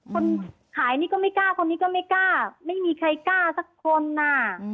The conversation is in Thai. คนขายนี่ก็ไม่กล้าคนนี้ก็ไม่กล้าไม่มีใครกล้าสักคนน่ะ